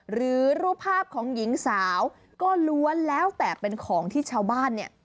หรือรูปภาพของหญิงสาวก็ล้วนแล้วแต่เป็นของที่ชาวบ้านเนี่ย